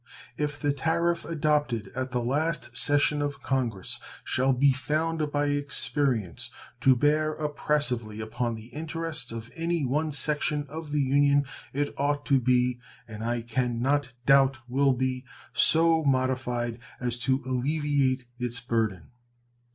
If the tariff adopted at the last session of Congress shall be found by experience to bear oppressively upon the interests of any one section of the Union, it ought to be, and I can not doubt will be, so modified as to alleviate its burden.